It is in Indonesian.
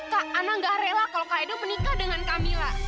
kak ana gak rela kalau kak edo menikah dengan kamila